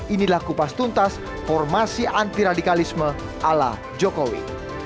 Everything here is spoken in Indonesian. inilah kupas tuntas formasi anti radikalisme ala jokowi